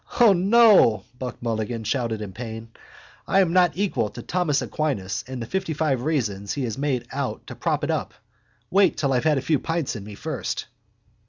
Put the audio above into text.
—No, no, Buck Mulligan shouted in pain. I'm not equal to Thomas Aquinas and the fiftyfive reasons he has made out to prop it up. Wait till I have a few pints in me first.